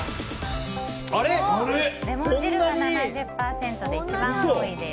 レモン汁が７０％で一番多いです。